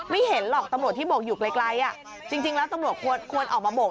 เห็นหรอกตำรวจที่โบกอยู่ไกลจริงแล้วตำรวจควรออกมาโบก